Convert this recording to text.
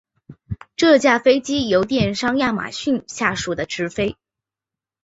这架飞机由电商亚马逊下属的执飞。